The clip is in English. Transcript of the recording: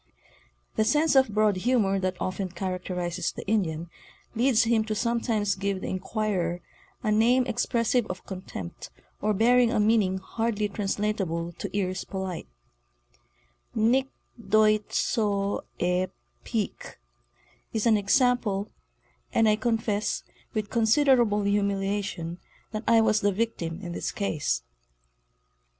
The sense of broad humor that often characterizes the Indian leads him to sometimes give the inquirer a name expressive of . contempt or bearing a meaning hardly translatable to ears polite —' Nic doit so e Peak" is an example—and I confess, with con siderable humiliation, that I was the victim in this case.